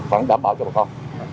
chúng tôi đảm bảo cho bà con